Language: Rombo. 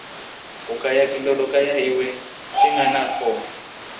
Ukayaa kindo doka ya iwe chenganafo.